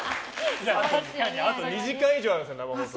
あと２時間以上あるんですよ生放送。